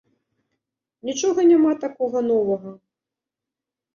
Нічога няма такога новага.